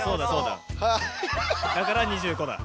だから２５だ。